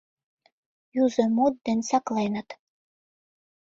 Юзо мут ден сакленыт.